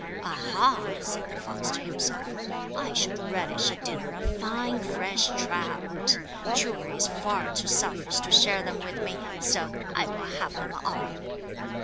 "Aha!" said the fox to himself, "I should relish a dinner of fine, fresh trout. Truvor is far too selfish to share them with me, so I will have them all."